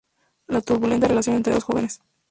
La turbulenta relación entre dos jóvenes.